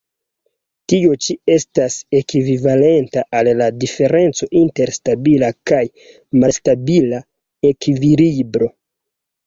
Tio ĉi estas ekvivalenta al la diferenco inter stabila kaj malstabila ekvilibro.